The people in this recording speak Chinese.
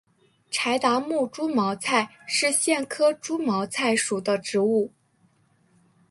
柴达木猪毛菜是苋科猪毛菜属的植物。